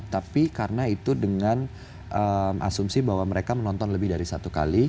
tapi karena itu dengan asumsi bahwa mereka menonton lebih dari satu kali